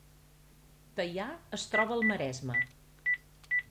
Teià es troba al Maresme